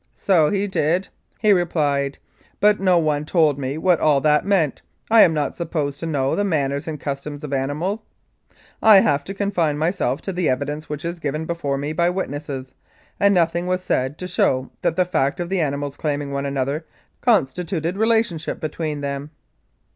"So he did," he replied, "but no one told me what all that meant. I am not supposed to know the manners and customs of animals. I have to confine myself to the evidence which is given before me by witnesses, and nothing was said to show that the fact of the animals claiming one another constituted relationship between them."